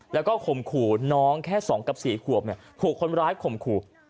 แล้วก็ข่มขู่น้องแค่๒กับ๔ขวบถูกคนร้ายข่มขู่